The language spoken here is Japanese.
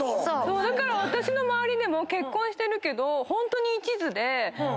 だから私の周りでも結婚してるけどホントに。